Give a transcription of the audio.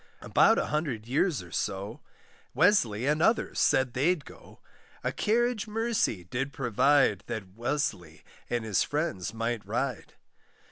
About a hundred years or so, Wesley and others said they'd go: A carriage mercy did provide, That Wesley and his friends might ride.